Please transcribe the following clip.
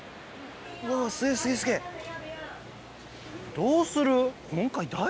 どうする？